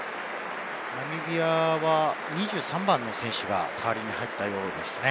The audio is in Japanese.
ナミビアは２３番の選手が代わりに入ったようですね。